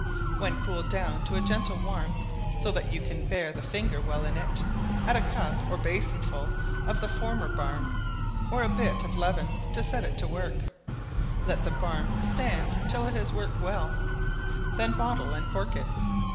When cooled down to a gentle warmth, so that you can bear the finger well in it, add a cup or basinful of the former barm, or a bit of leaven, to set it to work; let the barm stand till it has worked well, then bottle and cork it.